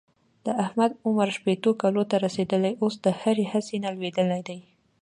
د احمد عمر شپېتو کلونو ته رسېدلی اوس د هرې هڅې نه لوېدلی دی.